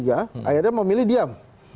akhirnya memilih diam